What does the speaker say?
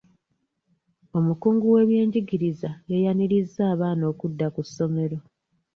Omukungu w'ebyenjigiriza yayanirizza abaana okudda ku ssomero.